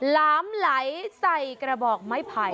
หลามไหลใส่กระบอกไม้ไผ่